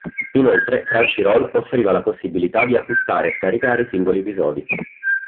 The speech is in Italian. Inoltre Crunchyroll offriva la possibilità di acquistare e scaricare i singoli episodi.